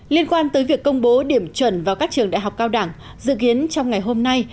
liên quan tới việc công bố điểm chuẩn vào các trường đại học cao đẳng dự kiến trong ngày hôm nay